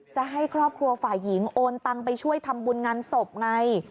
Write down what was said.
จะให้ครอบครัวฝ่ายหญิงโอนตังไปช่วยทำบุญงานศพไง